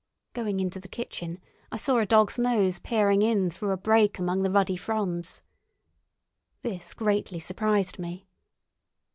Going into the kitchen, I saw a dog's nose peering in through a break among the ruddy fronds. This greatly surprised me.